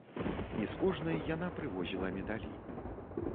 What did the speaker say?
І з кожнай яна прывозіла медалі.